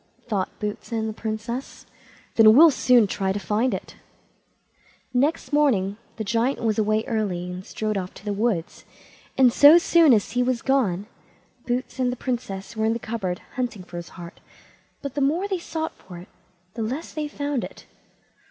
thought Boots and the Princess; "then we'll soon try to find it." Next morning the Giant was away early, and strode off to the wood, and so soon as he was gone Boots and the Princess were in the cupboard hunting for his heart, but the more they sought for it, the less they found it.